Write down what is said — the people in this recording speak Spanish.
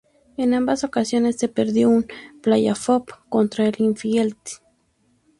En ambas ocasiones se perdió un playoff contra el Linfield.